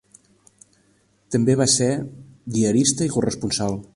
També va ser diarista i corresponsal.